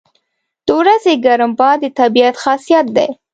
• د ورځې ګرم باد د طبیعت خاصیت دی.